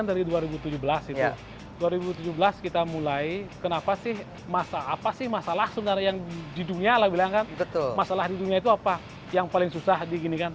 di dunia masalah di dunia itu apa yang paling susah diginikan